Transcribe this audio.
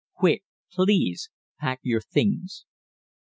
Quick, please, pack your things."